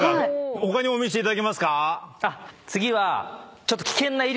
他にも見せていただけますか？